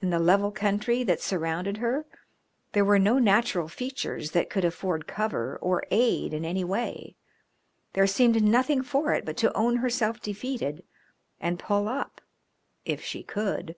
In the level country that surrounded her there were no natural features that could afford cover or aid in any way; there seemed nothing for it but to own herself defeated and pull up if she could.